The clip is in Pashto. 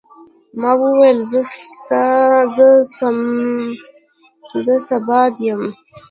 ما وویل چې زه سنباد یم.